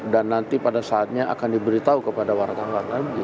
dan nanti pada saatnya akan diberitahu kepada wartawan